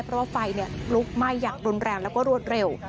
เพราะว่าไฟลุกไหม้อย่างรุนแรงแล้วก็รวดเร็ว